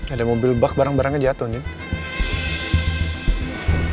ada mobil bak barang barangnya jatuh nih